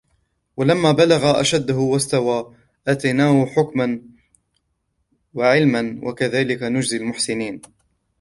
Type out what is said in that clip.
ولما بلغ أشده واستوى آتيناه حكما وعلما وكذلك نجزي المحسنين